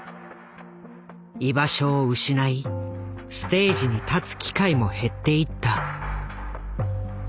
居場所を失いステージに立つ機会も減っていった。